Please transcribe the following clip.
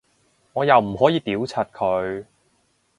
我又唔可以屌柒佢